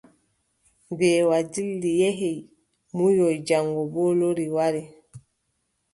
Mbeewa dilli, yehi munyoy, jaŋgo boo lori wari.